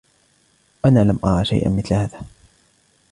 أنا لم أرَ شيئاً مثل هذا.